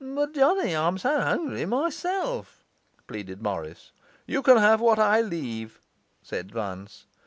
'But, Johnny, I'm so hungry myself,' pleaded Morris. 'You can have what I leave,' said Vance.